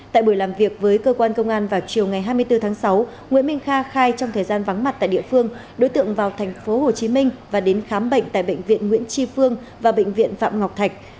tại buổi làm việc với cơ quan công an vào chiều ngày hai mươi bốn tháng sáu nguyễn minh kha khai trong thời gian vắng mặt tại địa phương đối tượng vào tp hcm và đến khám bệnh tại bệnh viện nguyễn tri phương và bệnh viện phạm ngọc thạch